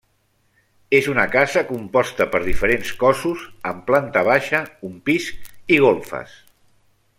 És una casa composta per diferents cossos amb planta baixa, un pis i golfes.